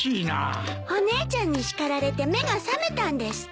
お姉ちゃんに叱られて目が覚めたんですって。